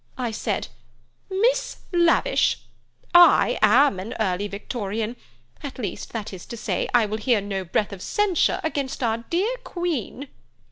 I said: 'Miss Lavish, I am an early Victorian; at least, that is to say, I will hear no breath of censure against our dear Queen.